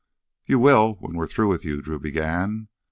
"You will when we're through with you," Drew began.